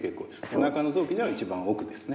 おなかの臓器では一番奥ですね。